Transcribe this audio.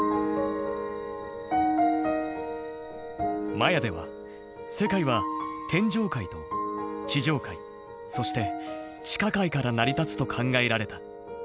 マヤでは世界は「天上界」と「地上界」そして「地下界」から成り立つと考えられた。